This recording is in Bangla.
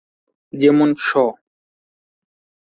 যেমন স।